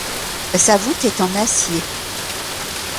Sa voûte est en acier.